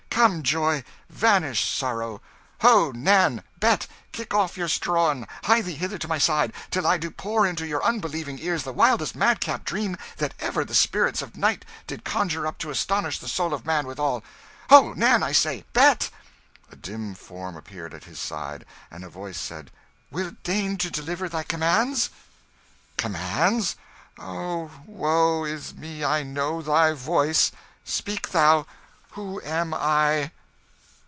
Come, joy! vanish, sorrow! Ho, Nan! Bet! kick off your straw and hie ye hither to my side, till I do pour into your unbelieving ears the wildest madcap dream that ever the spirits of night did conjure up to astonish the soul of man withal! ... Ho, Nan, I say! Bet!" A dim form appeared at his side, and a voice said "Wilt deign to deliver thy commands?" "Commands? ... O, woe is me, I know thy voice! Speak thou who am I?"